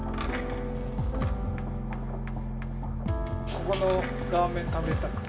ここのラーメン食べたくて。